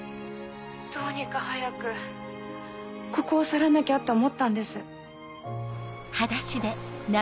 どうにか早くここを去らなきゃって思ったんです。